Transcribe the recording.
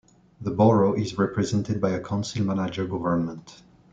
The borough is represented by a council-manager government.